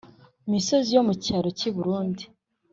misozi yo mu cyaro cy i Burundi